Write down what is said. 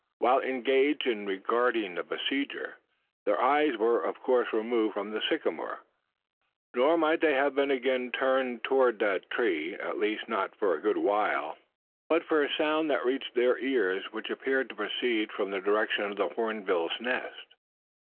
While engaged in regarding the besieger, their eyes were of course removed from the sycamore; nor might they have been again turned towards that tree at least, not for a good while but for a sound that reached their ears, and which appeared to proceed from the direction of the hornbill's nest.